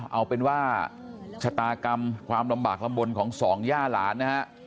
เอาเป็นว่าชะตากรรมความลำบากลำบลของสองย่าหลานนะฮะ